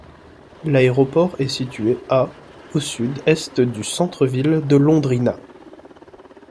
L'aéroport est situé à au sud-est du centre-ville de Londrina.